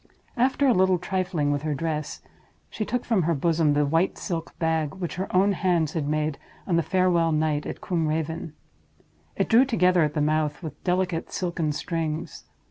After a little trifling with her dress, she took from her bosom the white silk bag which her own hands had made on the farewell night at Combe Raven. It drew together at the mouth with delicate silken strings.